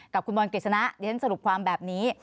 กับคุณบอลกฤษณะดิฉันสรุปความแบบนี้